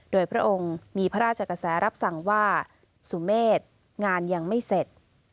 โดยพระองค์มีพระราชกระแสรับสั่งว่าสุเมษงานยังไม่เสร็จ